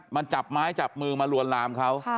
มาจับไม้จับมือมาลวนลามเขา